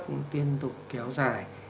cũng tiên tục kéo dài